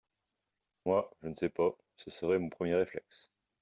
Moi, je ne sais pas, ce serait mon premier réflexe.